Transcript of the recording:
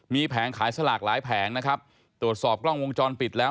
มีแผงขายสลากหลายแผงนะครับตรวจสอบกล้องวงจรปิดแล้ว